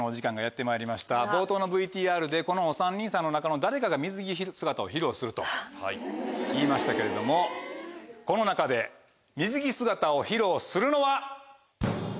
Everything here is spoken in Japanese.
冒頭のＶＴＲでこのお３人さんの中の誰かが水着姿を披露すると言いましたけれどもこの中で水着姿を披露するのは！